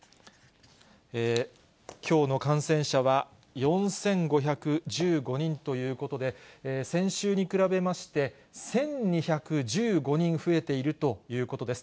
きょうの感染者は４５１５人ということで、先週に比べまして、１２１５人増えているということです。